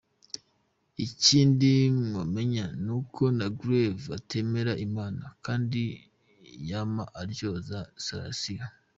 Ikindi mwomenya ni uko na Garvey atemera Imana, kandi yama artyoza Selassie.